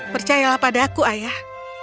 percayalah padaku ayah